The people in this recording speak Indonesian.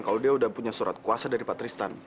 kalau dia udah punya surat kuasa dari patristan